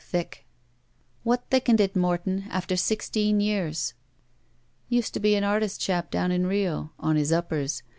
Thick." "What thickened it, Morton — after sixteen years?" "Used to be an artist chap down in Rio. On his uppers.